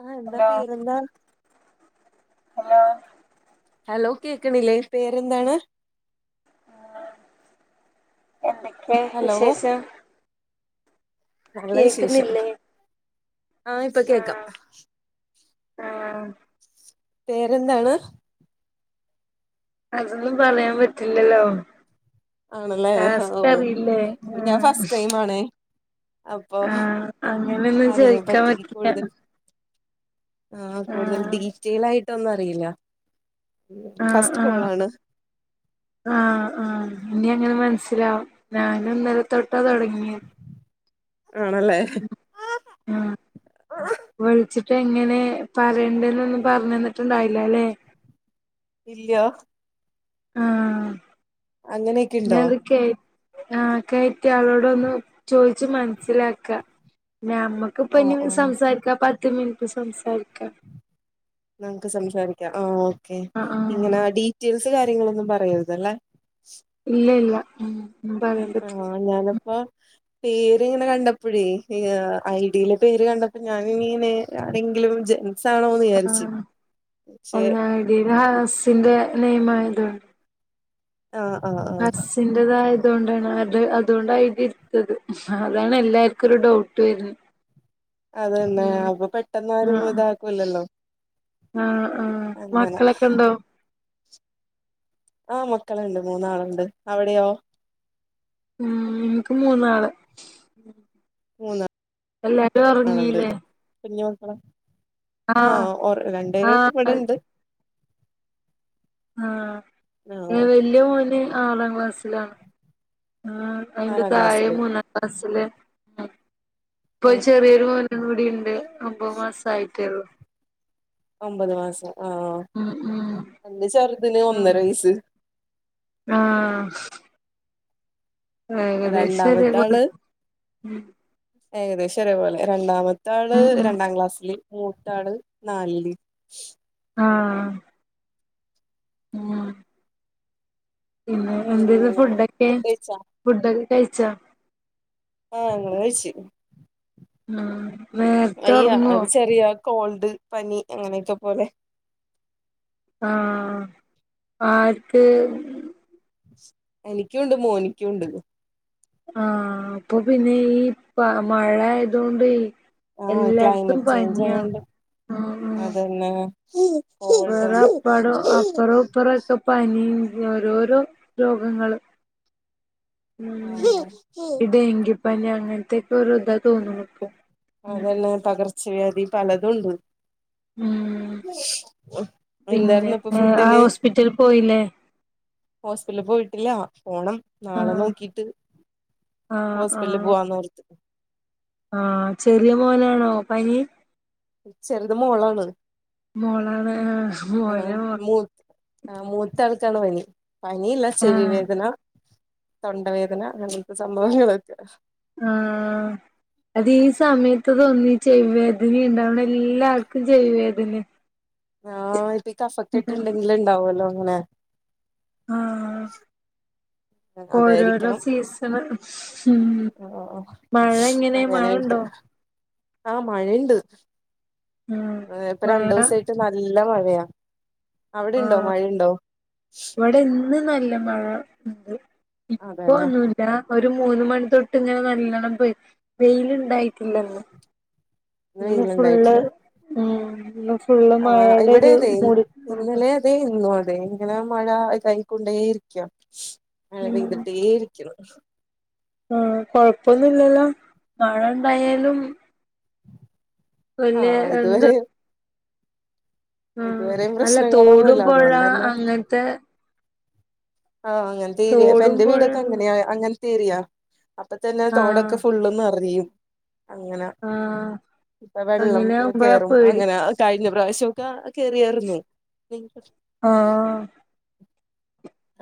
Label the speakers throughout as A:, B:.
A: ആ എന്താ
B: ഹലോ
A: പേര്ന്താ
B: ഹലോ
A: ഹലോ കേക്കണില്ലേ പേരെന്താണ്
B: എന്തൊക്കെ
A: ഹലോ
B: വിശേഷം
A: നല്ല വിശേഷം
B: കേക്കുന്നില്ലേ
A: ആ ഇപ്പൊ കേക്കാം
B: ആ
A: പേരെന്താണ്
B: അതൊന്നും പറയാൻ പറ്റില്ലല്ലോ
A: ആണല്ലേ ഓഹ്
B: ടാക്കറിയില്ലേ
A: അപ്പൊ ഞാൻ ഫസ്റ്റ് ടൈം ആണേ അപ്പൊ
B: അങ്ങനെയൊന്നും
A: അതിനെ
B: ചോദിക്കാൻ
A: പറ്റി
B: പറ്റില്ല
A: കൂടുതൽ ആ കൂടുതൽ ഡീറ്റെൽ ആയിട്ടൊന്നും അറിയില്ല
B: ആ
A: ഫസ്റ്റ്
B: ആ
A: കോള് ആണ്
B: ആ ആ ഇനി അങ്ങനെ മനസ്സിലാവും ഞാനിന്നലെ തൊട്ടാ തുടങ്ങിയത്
A: ആണല്ലേ
B: ആ വിളിച്ചിട്ട് എങ്ങനെ പറയണ്ടന്നൊന്നും പറഞ്ഞു തന്നിട്ടുണ്ടായില്ലല്ലേ
A: ഇല്ല
B: ആ ആ
A: അങ്ങനെയൊക്കെ ഉണ്ടോ
B: ആ കയറ്റിയ ആളോട് ഒന്ന് ചോയിച്ചു മനസ്സിലാക്ക ഞമ്മക്കിപ്പ
A: ആഹ്
B: ഇനി
A: ആഹ്
B: സംസാരിക്കാം പത്ത് മിനിറ്റ് സംസാരിക്കാം
A: നമക്ക് സംസാരിക്കാം ആ ഓക്കെ
B: ആഹ് ആഹ്
A: ഇങ്ങനെ ഡീറ്റെൽസ് ൽസ് കാര്യങ്ങളൊന്നും പറയരുതല്ലേ
B: ഇല്ല ഇല്ല ഉം പറയാൻ
A: ആ
B: പറ്റില്ല
A: ഞാനപ്പാ പേര്ങ്ങനെ കണ്ടപ്പോഴേ ഐ ഡിയിലെ പേര് കണ്ടപ്പോ ഞാന ഇനിങ്ങനെ ആ പക്ഷെ
B: [unintelligible]
A: ആഹ് ആഹ് ആഹ്
B: ബസിന്റതായ അതുകൊണ്ടാ അതുകൊണ്ടാ ഇത്ട്ത്തത് അതാണ് എല്ലാർക്കും ഒരു ഡൗട്ട് വരുന്നത്
A: അതന്നെ അപ്പൊ പെട്ടെന്ന് ആരും ഇതാക്കൂല്ലല്ലോ
B: ആ ആ
A: അങ്ങനെ
B: മക്കളൊക്കെ ഉണ്ടോ
A: ആ മക്കളുണ്ട് മൂന്നാളുണ്ട് അവിടെയോ
B: ഉം എനിക്ക് മൂന്നാള് എല്ലാരും ഉറങ്ങീല്ലേ
A: ഞ്ഞോക്കണം ആഹഓ രണ്ടെര്
B: ആഹ്
A: ഇവിടെണ്ട്
B: ആഹ
A: ആഹ്
B: വല്യ മോന് ആറാം ക്ലാസ്സിലാണ് ആ അയിന്റെ
A: ആറാം
B: താഴെ
A: ക്ലാസ്സില്
B: മൂന്നാ ക്ലാസ്സില് പ്പോ
A: ആഹ്
B: ചെറിയൊരു മോൻ ന്ന് കൂടിണ്ട് ഒമ്പത് മാസ ആയിട്ടേള്ളൂ
A: ഒമ്പത് മാസം ആ എന്ടെ ചെറുതിന്
B: ഉം
A: ഒന്നര വയസ്
B: ആഹ് ഏകദേശം
A: രണ്ടാമത്ത
B: ഒരേപോലെ
A: ആള്
B: ഉം
A: ഏകദേശംഒ രേപോലെ രണ്ടാമത്തെ ആള്
B: ഉം ഉം
A: രണ്ടാം ക്ലാസ്സിില് മൂത്താ ള് നാലില്
B: ആ ഉം പിന്നെ എന്തേനു
A: പിന്നെ
B: ഫുഡൊക്കെ
A: ഫുഡ് കഴിച്ചാ
B: ഫുഡ്ഡ് ക്കെ കഴിച്ചാ
A: ആ ഞങ്ങളയിച്
B: ഉം നേരത്തെ ഉറങ്ങോ
A: ഒരു ചെറിയ കോൾഡ് പനി അങ്ങനെയൊക്കെ പോലെ
B: ആ ആർക്ക്
A: എനിക്കുണ്ട് മോനിക്കുണ്ട്
B: ആഹ അപ്പൊ പിന്നെ ഈ പ മഴ ആയതുകൊണ്ട്
A: ആഹ്
B: എല്ലായിടത്തും
A: ക്ലൈമറ്റ് ചേഞ്ച്
B: പനിയാ
A: ആയോണ്ട്
B: ആ
A: അതന്നെ കോൾഡും
B: വേറെ പടോ അപ്പറോ ഇപ്പറോ ക്കെ പനീം ഓരോരോ രോഗങ്ങള് ഉം
A: ആഹ്
B: ഇ ഡെങ്കി പിന്നെ അങ്ങനത്തക്കെ ഒരു ഇതാ തോന്നുണ് പ്പോ
A: അതന്നെ പകർച്ചവ്യാധി പലതും ഉണ്ട്
B: ഉം പിന്നെ
A: എന്തായിരുന്നു അപ്പൊ
B: ആ
A: ഫുഡിന്
B: ഹോസ്പിറ്റലിൽ പോയില്ലേ
A: ഹോസ്പിറ്റലിൽ പോയിട്ടില്ല പോണം നാളെ
B: ആഹ്
A: നോക്കിട്ട് ഹോസ്പിറ്റലിൽ പോവാന്നോർത്തു
B: ആ ചെറിയ മോനാണോ പനി
A: ചെറുത് മോളാണ്
B: മോളാണ് മോനോ
A: ആ മൂത്ത ആൾക്കാണ് പനി പനില്ല ചെവി
B: ആഹ്
A: വേദന തൊണ്ടവേദന അങ്ങനത്തെ സംഭവങ്ങളൊക്കെ
B: ആ അത് ഈ സമയത്ത് തോന്നി ചെവി വേദന ഉണ്ടാവണം എല്ലാർക്കും ചെവി വേദന
A: ആഹ് ഇപ്പ കഫക്കെട്ടുണ്ടെങ്കില ഇണ്ടാവോലൊ അങ്ങനെ
B: ആ ഓരോരോ
A: അതായിരിക്കണം
B: സീസണ് മ് മഴ എങ്ങനെ മഴണ്ടോ
A: ആ മഴണ്ട്
B: ആഹ്
A: ഏഹ് ഇപ്പൊ രണ്ടു
B: മഴ
A: ദിവസമായിട്ട് നല്ല മഴയാ അവിടെ ഇണ്ടോ
B: ആഹ്
A: മഴയുണ്ടോ
B: ഇവിടെ ഇന്ന് നല്ല മഴ ഉണ്ട് ഇപ്പൊ
A: അതെല്ലേ
B: ഒന്നുവില്ല ഒരു മൂന്നുമണി തൊട്ട് ഇങ്ങനെ നല്ലോണ്ണം പെയ് വെയില് ഇണ്ടായിട്ടില്ലന്ന് ഇന്ന് ഫുള്ള് മം ഇന്ന് ഫുൾ
A: ആ ഇവിടെ അതെ ഇന്നലെ അതെ ഇന്നു അതെ അങ്ങനെ മഴ ഇതായിക്കൊണ്ടേയിരിക്കാ മഴ പെയതിട്ടേ ഇരിക്കണു
B: മം കൊഴപ്പൊന്നുവില്ലല്ലോ മഴ ഉണ്ടായാലും
A: ആ
B: വല്യ
A: ഇതുവരെ
B: മം
A: ഇതുവരെയും
B: അല്ല തോടും
A: പ്രശ്നങ്ങളൊന്നുല്ല
B: പൊഴ
A: അതുകൊണ്ടന്നെ
B: അങ്ങനത്തെ
A: ആഹ് അങ്ങനത്തെ ഏരിയ ഇപ്പൊ
B: തോടും
A: എൻ്റെ
B: പുഴ
A: വീടൊക്കെ അങ്ങനെയ അങ്ങനെത്തെരിയാ അപ്പം തന്നെ
B: ആഹ്
A: തോടൊക്കെ ഫുള്ളും നിറയും അങ്ങനെ
B: ആഹ്
A: ഇപ്പൊ വെള്ളം
B: അങ്ങനെ ആകുമ്പോഴാ
A: കേറും
B: പേടി
A: അങ്ങനെ കഴിഞ്ഞ പ്രാവശ്യവൊക്കെ കേറിയായിരുന്നു
B: ആഹ്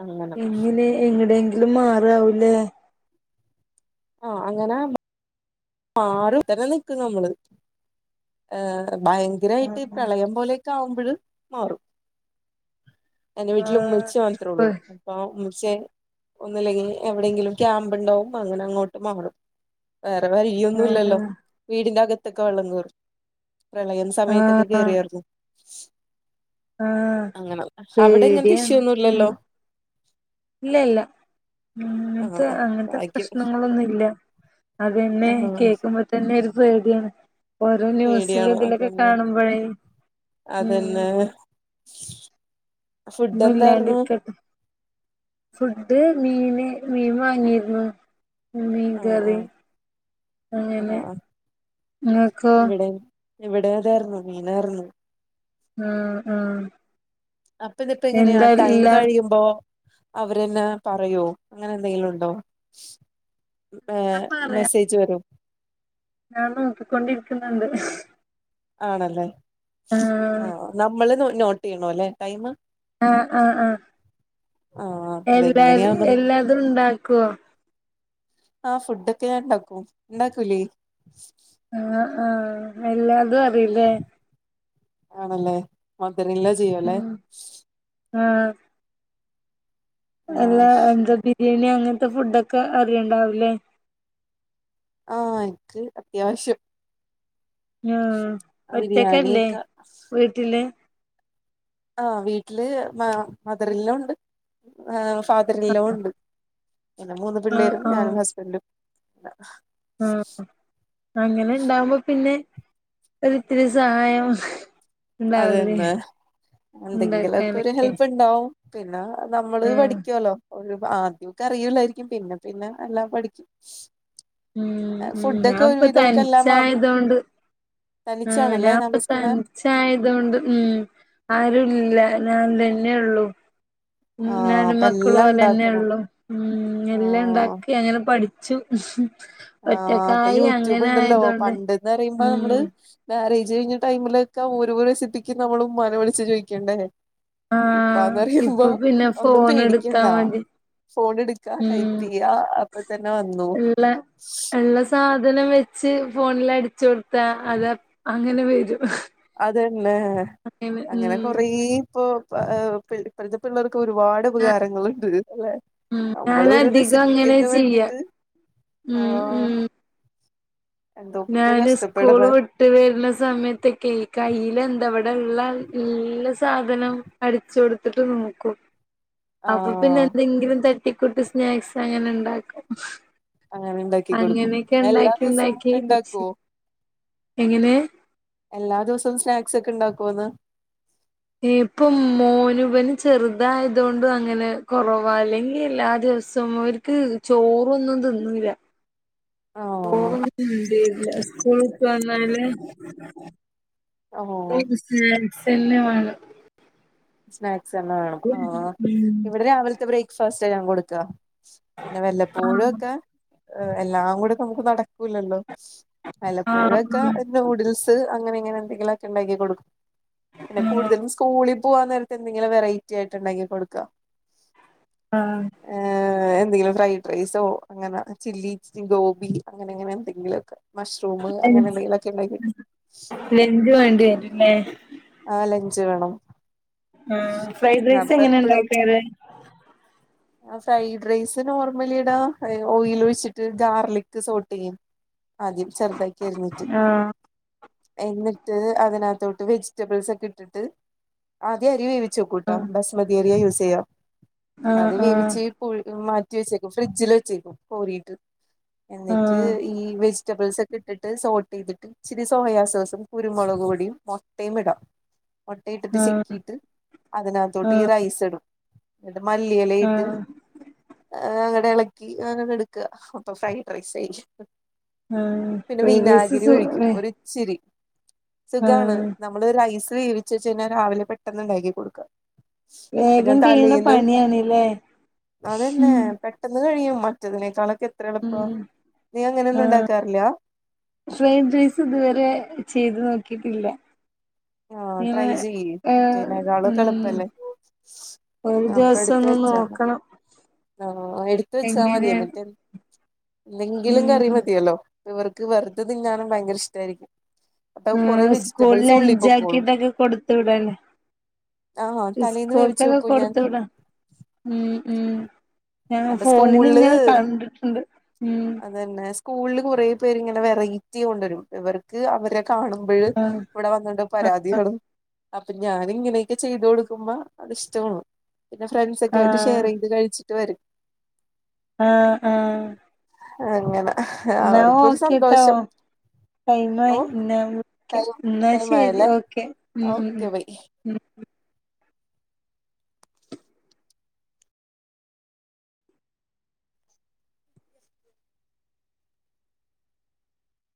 A: അങ്ങനെ
B: എങ്ങനെ എങ്ങടെയെങ്കിലും മാറാവും ല്ലേ
A: ആ അങ്ങനെ മാറും [inaudible] തന്നെ നിക്കും നമ്മള് ഏ ഭയങ്കരവായിട്ട്
B: ആഹ്
A: പ്രളയം പോലെയൊക്കെ ആവുമ്പള് മാറും എന്റെ വീട്ടില് ഉമ്മിച്ചി മാത്രമേ
B: പ്
A: ഉള്ളൂ ഉപ്പ പക്ഷെ ഒന്നില്ലെങ്കി എവിടെങ്കിലും ക്യാമ്പ് ഉണ്ടാവും അങ്ങനെ അങ്ങോട്ട് മാറും വേറെ വഴിയൊന്നും
B: ആഹ്
A: ഇല്ലല്ലോ വീടിന്റെ അകത്തൊക്കെ വെള്ളം കേറും പ്രളയം സമയത്തൊക്കെ കേറിയായിരുന്നു
B: ആ
A: അങ്ങനെ അവിടെ ഇങ്ങനത്തെ ഇഷ്യൂ
B: പേടിയാണ്
A: ഒന്നും
B: ഉം
A: ഇല്ലല്ലോ
B: ഇല്ല ഇല്ല ഉം ഞങ്ങക്ക്
A: ആഹ്
B: അങ്ങനത്തെ
A: ഭാഗ്യം
B: പ്രശ്നങ്ങളൊന്നുല്ല അതേ പിന്നെ
A: ആഹ്
B: കേൾക്കുമ്പോ തന്നെ ഒരു പേടിയാണ് ഓരോ ന്യൂസില്
A: പേടിയാണ്
B: ഇതിലൊക്കെ
A: അതന്നെ
B: കാണുമ്പോഴേ ഉം
A: അതന്നെ ഫുഡ്
B: ഒന്നും
A: എന്തായിരുന്നു
B: ഇല്ലാണ്ടിരിക്കട്ടെ ഫുഡ് മീന് മീൻ വാങ്ങിരുന്നു
A: ആഹ്
B: മീൻകറി
A: ആഹ്
B: അങ്ങനെ
A: ആഹ്
B: ഇങ്ങക്കോ
A: ഇവിടെയും അതായിരുന്നു മീനാരുന്നു
B: ഉം ഉം
A: അപ്പൊ ഇതിപ്പോ എങ്ങനെയാ ടൈം കഴിയുമ്പോ അവരെന്നെ പറയോ അങ്ങനെ എന്തെങ്കിലും ഉണ്ടോ ഏ
B: ഞാൻ പറയാ
A: മെസ്സേജ് വരും
B: ഞാൻ നോക്കികൊണ്ടിരിക്കുന്നണ്ട്
A: ആണല്ലേ ആ നമ്മള് നോ നോട്ട് ചെയ്യണോല്ലെ ടൈമ്
B: ആഹ് ആ ആ
A: ആഹ്
B: എല്ലാ
A: അതെങ്ങനെയാന്നും
B: എല്ലാതും ഉണ്ടാക്കുവോ
A: ആഹ് ഫുഡൊക്കെ ഞാൻ ഉണ്ടാക്കും ഉണ്ടാക്കൂലേ
B: ആ ആ എല്ലാതും അറിയില്ലേ
A: ആണല്ലേ മധുരിലെ ചെയ്യുവല്ലേ
B: ആഹ് അല്ല
A: ആഹ്
B: എന്താ ബിരിയാണി അങ്ങനത്തെ ഫുഡോക്കെ അറിയണ്ടാവില്ലേ
A: ആ എനിക്ക് അത്യാവശ്യം
B: ആ ഒറ്റക്കല്ലേ
A: ബിരിയാണിയൊക്കെ
B: വീട്ടില്
A: ആ വീട്ടില് മ മദർ ഇൻ ലോ ഉണ്ട് ഏഹ് ഫാദർ ഇൻ ലോ ഉണ്ട് പിന്നെ മൂന്ന്
B: ആ
A: പിള്ളേരും
B: ആ
A: ഞാനും ഹസ്‌ബൻഡും
B: ആ അങ്ങനെ ഇണ്ടാവുമ്പോ പിന്നെ ഒരുത്തിരി സഹായം ഉണ്ടാവില്ലേ
A: അതന്നെ എന്തെങ്കിലൊക്കെ ഒരു
B: ഉണ്ടാക്കാനൊക്കെ
A: ഹെൽപ് ഉണ്ടാവും പിന്നെ നമ്മള്
B: ആ
A: പഠിക്കുവല്ലോ ഒരു ആദ്യക്കെ അറൂലായിരിക്കും പിന്നെ പിന്നെ എല്ലാം പഠിക്കും.
B: ഉം ഉം ഞാൻ
A: ഫുഡൊക്കെ ഒരു
B: ഇപ്പൊ
A: വിധവൊക്കെ എല്ലാം ആക്കും
B: തനിച്ചായതൊണ്ട് ആഹ്
A: തനിച്ചാണല്ലേ താമസിക്കണേ
B: നാപ്പതനിച്ചായ അതുകൊണ്ട് ഉം ആരുല്ല ഞാൻ തന്നെള്ളു ഉം
A: ആഹ്
B: ഞാനും
A: അപ്പൊ
B: മക്കളും
A: എല്ലാം ഇണ്ടാക്കണം
B: ഓലെന്നെള്ളു ഉം
A: ആഹ്
B: എല്ലാണ്ടാക്കി അങ്ങനെ പഠി ച്ചു
A: ആഹ് പ്പൊ യൂട്യൂബ് ഉണ്ടല്ലോ
B: ആയതൊണ്ട്
A: പണ്ടന്ന് പറയുമ്പോ നമ്മള്
B: ഉം
A: വേ കഴിഞ്ഞ ടൈമിലൊക്കെ ഓരോ റെസിപ്പിക്ക് നമ്മള് ഉമ്മാനെ വിളിച്ചു ചോദിക്കണ്ടേ?
B: ആ
A: ഇപ്പന്ന് പറയുമ്പോ
B: ഇപ്പൊ പിന്നെ
A: ഒന്നും
B: ഫോൺ എടുത്താ
A: പേടിക്കണ്ടാ.
B: മതി
A: ഫോൺ എടുക്കാ ടൈപ്പ്
B: ഉം
A: ചെയ്യാ അപ്പൊ തന്നെ വന്നു.
B: ഉള്ള സാധനം വെച്ച് ഫോണിൽ അടിച്ചു കൊടുത്ത അത അങ്ങനെ വരും.
A: അതന്നെ അങ്ങനെ കൊറേ ഇപ്പൊ ഇപ്പോൾത്തെ പിള്ളേർ ക്കൊരുപാട് ഉപകാരങ്ങളുണ്ട് അല്ലെ
B: ഉം
A: നമ്മൾ ഒരു
B: ഞാനധികം അങ്ങനെ
A: റെസിപ്പിക്കൊക്കെ
B: ചെയ്യാ
A: വേണ്ടിട്ട്
B: ഉം
A: ആഹ്
B: ഉം
A: എന്തൊക്കെ
B: ഞാന്
A: കഷ്ടപ്പെടണ്
B: സ്കൂള് വിട്ട് വരുന്ന സമയത്തൊക്കെ കയ്യില എന്തവിടെ ഉള്ള ഇല്ല സാധനം അടിചൊടുത്തിട്ട് നോക്കും അപ്പൊ പിന്നെ
A: ആഹ്
B: എന്തെങ്കിലും തട്ടിക്കൂട്ട് സ്നാക്സ് അങ്ങനെ ഉണ്ടാക്കും
A: അങ്ങനെ ഉണ്ടാക്കി കൊടുക്കും
B: അങ്ങനെയൊക്കെ
A: എല്ലാ
B: ഉണ്ടാക്കി
A: ദിവസവും
B: ഉണ്ടാക്കി
A: ഉണ്ടാക് കോ
B: എങ്ങനെ
A: എല്ലാ ദിവസവും സ്നാക്സ് ക്കെ ഇണ്ടാക്കോന്ന്
B: ഇപ്പം മോനുവിന് ചെറുതായതൊണ്ടും അങ്ങനെ കൊറവാ അല്ലെങ്കി എല്ലാ രസം ഓർക്ക് ചോറൊന്നും തിന്നില്ല
A: ആഹ്
B: ഓല് സ്കൂളുട്ടുവന്നാൽ ഓ
A: ഓഹ്
B: സെൻസെന്നെവാണം
A: സ്നാക്സന്നെ വേണം ആ
B: ഉം
A: ഇവിടെ രാവിലത്തെ ബ്രേക്ക്ഫാസ്റ്റ ഞാൻ കൊടുക്ക പിന്നെ
B: ആഹ്
A: വല്ലപ്പോഴും ഒക്കെ എല്ലാം കൂടെ നമുക്ക് നടക്കൂലല്ലോ
B: ആഹ്
A: വല്ലപ്പോഴൊക്കെ
B: ആഹ്
A: നൂഡിൽസ് അങ്ങനെ ഇങ്ങനെ എന്തെങ്കിലുമൊക്കെ ഉണ്ടാക്കി കൊടുക്കും പിന്നെ കൂടുതലും സ്കൂളിൽ പോവാൻ നേരത്ത് എന്തെങ്കിലും വെറൈറ്റി ആയിട്ട് ഉണ്ടാക്കി കൊടുക്കാ
B: ആഹ്
A: എന്തെങ്കിലും ഫ്രൈഡ്റൈസോ അങ്ങനെ ചില്ലി ഗോബി അങ്ങനെ അങ്ങനെ എന്തെങ്കിലൊക്കെ മഷ്റൂം അങ്ങനെ
B: ലഞ്ച്
A: എന്തെങ്കിലൊക്കെ ഉണ്ടാക്കി
B: ദേരിന്നെ
A: ആ ലഞ്ച് വേണം
B: ആ ഫ്രൈഡ്റൈസ്
A: അപ്പൊ
B: എങ്ങനെ ഉണ്ടാക്കാറ്
A: ആ ഫ്രൈഡ് റൈസ് നോർമലിടാ ഓയിൽ ഒയിച്ചിട്ട് ഗാർലിക് സോട്ട് ചെയ്യു ആദ്യം ചെർതാക്കി അരിഞ്ഞിട്ട്
B: ആഹ്
A: എന്നിട്ട് അതിനകത്തോട്ട് വെജിറ്റബിൾസ് ഒക്കെ ഇട്ടിട്ട് ആദ്യം അരി വേവി ചു കൂട്ടാ ബസ്മതി അരി യൂസ് ചെയ്യ
B: ആഹ്
A: അത്
B: ആഹ്
A: വേവിച്ച് മാറ്റി വെച്ചേക്കും ഫ്രിഡ്ജിൽ വച്ചേക്കും കോരീട്ട് എന്നിട്ട്
B: ആഹ്
A: ഈ വെജിറ്റബിൾസൊ ഇട്ടിട്ട് സോട്ട് ചെയ്തിട്ട് ഇിച്ചിരി സോയാസോസും കുരുമുളക് പൊടിയും മൊട്ടയും ഇടാ മുട്ടയിട്ടിട്ട്
B: ആഹ്
A: ചിക്കിയിട്ട് അതിനകത്തോട്ട് ഈ
B: ആഹ്
A: റൈസ് ഇടും എന്നിട്ട് മ മല്ലിയിലയിട്ട്
B: ആഹ്
A: ഏ ഇളക്കി അങ്ങന എടുക്കുക അപ്പൊ ഫ്രൈഡ് റൈസ് ആയി
B: ആഹ്
A: പിന്നെ
B: ഫ്രൈഡ് റൈസ്
A: വിനാഗിരി
B: സു
A: ഒഴിക്കും ഒരിച്ചിരി സുഖാണ്
B: ആഹ്
A: നമ്മൾ ഒരു റൈസ് വേവിച്ച വെച്ച് കയിഞ്ഞാൽ രാവിലെ പെട്ടെന്ന് ഉണ്ടാക്കി കൊടുക്കാം അപ്പൊ ഞാൻ
B: വേഗം കഴിയണ
A: തലേന്ന്
B: പണിയാണ്ല്ലേ
A: അതന്നെ
B: ഉം
A: പെട്ടെന്ന് കഴിയും മറ്റതിനേക്കാളൊക്കെ എത്ര എളുപ്പ
B: ഉം
A: നീ അങ്ങനെയൊന്നും
B: ആഹ്
A: ഉണ്ടാക്കാറില്ല
B: ഫ്രൈഡ് റൈസ് ഇതുവരെ ചെയ്ത് നോക്കിട്ടില്ല
A: ആ ട്രൈ
B: ഇങ്ങനെ
A: ചെയ്യ്
B: ഏഹ്
A: മറ്റേനേക്കാളും
B: ഉം
A: എളുപ്പല്ലേ
B: ഒരു
A: ആഹ്
B: ദിവസം ഒന്ന് നോക്കണം
A: ആ എടുത്ത് വെച്ചാ മതി
B: എങ്ങനെയാണ്
A: എന്നിട്ട് എന്തെങ്കിലും കറി
B: ഉം
A: മതില്ലോ അവർക്ക് വെർതെ തിന്നിനും ഭയങ്കര ഇഷ്ടായിരിക്കും അപ്പൊ
B: ആ
A: കൊറെ
B: സ്കൂല്
A: വെജിറ്റബിൾസ് ഉള്ളി പൊക്കോളും
B: ലഞ്ചാക്കിട്ടൊക്കെ കൊടുത്തു വിടല്ലേ
A: ആഹ് തലേന്ന് വേവിച്ച്
B: സ്കൂൾത്തൊക്കെ
A: വെക്കും ഞാൻ
B: കൊടുത്തുവിട ഉം ഉം ഞാന്
A: അപ്പൊ സ്കൂളില്
B: ഫോണിലിങ്ങനെ കണ്ടിട്ടുണ്ട് ഉം
A: അതന്നെ സ്കൂൾ കൊറേ പേര് ഇങ്ങനെ വെറൈറ്റി കൊണ്ടരും ഇവർക്ക് അവരെ കാണുമ്പഴെ
B: ആഹ്
A: ഇവിടെ വന്നിണ്ട് പരാതി ആണ് അപ്പൊ ഞാന് ഇങ്ങനൊക്കെ ചെയ്ത് കൊടുക്കുമ്പോ അത്ഷ്ടാണ് പിന്നെ ഫ്രണ്ട്സൊക്കെ ആയിട്ട്
B: ആഹ്
A: ഷെയറെയ്ത് കഴിച്ചിട്ട് വരും
B: ആ ആ
A: അങ്ങനെ അവർക്കൊരു
B: ഓക്കെട്ടോ
A: സന്തോഷം ഓ
B: ടൈമായി ഇന്നാവിളിക്ക
A: ടൈം
B: ഇന്നാ
A: ടൈം
B: ശെരി
A: ആയല്ലേ
B: ഓക്കെ ഉം ഉം
A: ഓക്കെ ബൈ
B: ഉം